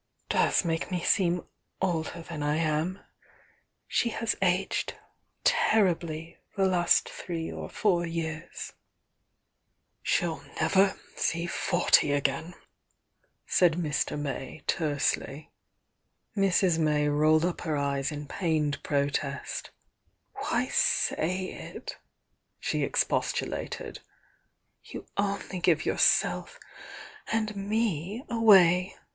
— does maJce me seem older than I am. She has aged ter nbly the last three or four years." 52 THE YOUNG DIANA M "She'll never see forty again," said Mr. May, tersely. ' Mrs. May rolled up her eyes in pained protest Why say it?" she expostulated. "You only give yourself and me away!